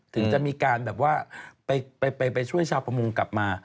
ถึงจะมีการแบบว่าไปช่วยชาวประมงกลับมา